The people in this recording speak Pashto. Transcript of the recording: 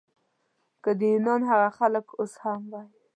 که د یونان هغه خلک اوس هم وای.